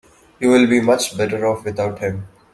You will be much better off without him.